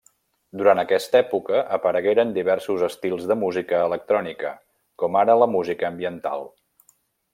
Durant aquesta època aparegueren diversos estils de música electrònica, com ara la música ambiental.